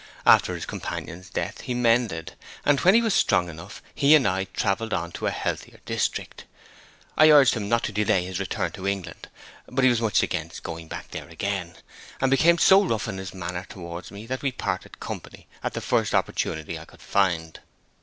After his companion's death he mended, and when he was strong enough he and I travelled on to a healthier district. I urged him not to delay his return to England; but he was much against going back there again, and became so rough in his manner towards me that we parted company at the first opportunity I could find.